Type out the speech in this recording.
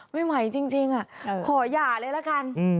ไม่ไหวจริงขอหย่าเลยละกัน